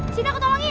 sini aku tolongin